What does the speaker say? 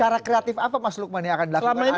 cara kreatif apa mas lukman yang akan dilakukan